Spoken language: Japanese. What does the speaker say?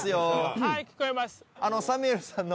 はい聞こえます。